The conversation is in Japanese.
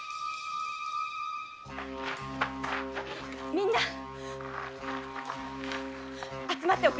みんな集まっておくれ。